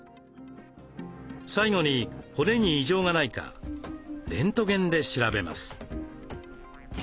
最後に骨に異常がないかレントゲンで調べます。